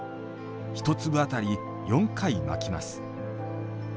１粒あたり４回巻きます。